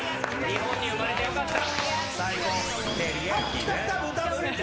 日本に生まれてよかった！